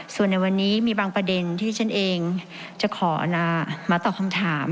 ส่วนในวันนี้มีบางประเด็นที่ฉันเองจะขอมาตอบคำถาม